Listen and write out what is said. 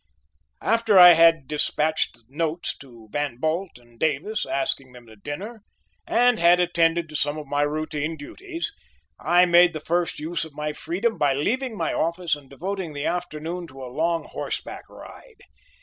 After I had despatched notes to Van Bult and Davis, asking them to dinner, and had attended to some routine duties, I made the first use of my freedom by leaving my office and devoting the afternoon to a long horse back ride.